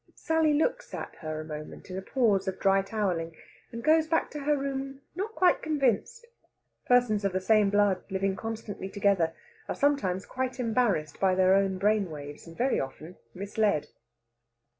Sally looks at her a moment in a pause of dry towelling, and goes back to her room not quite convinced. Persons of the same blood, living constantly together, are sometimes quite embarrassed by their own brain waves, and very often misled.